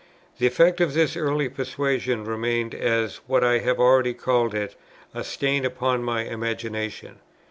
The effect of this early persuasion remained as, what I have already called it, a "stain upon my imagination."